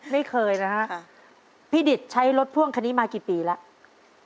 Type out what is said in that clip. ไม่เคยนะฮะพี่ดิตใช้รถพ่วงคันนี้มากี่ปีแล้ว